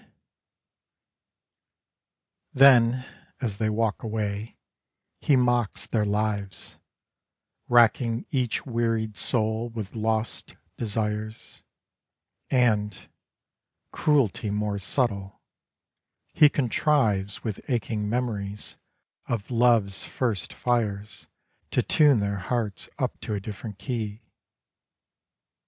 London Squares. Then as they walk away, he mocks their lives, Racking each wearied soul with lost desires, And — cruelty more subtle, he contrives With aching memories of love's first fires To tune their hearts up to a different key.